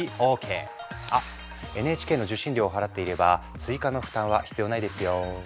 あＮＨＫの受信料を払っていれば追加の負担は必要ないですよ。